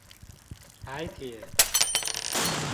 台鐵